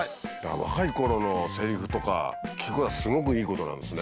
若いころのせりふとか聴くのはすごくいいことなんですね。